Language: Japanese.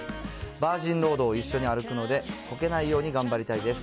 バージンロードを一緒に歩くので、こけないように頑張りたいです。